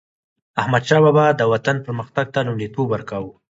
احمدشاه بابا به د وطن پرمختګ ته لومړیتوب ورکاوه.